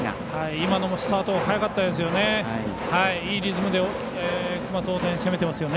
今のもスタート早かったですよね。